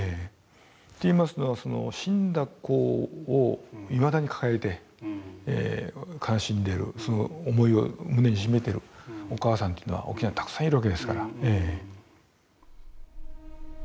といいますのは死んだ子をいまだに抱えて悲しんでるその思いを胸に秘めてるお母さんというのは沖縄にたくさんいるわけですから。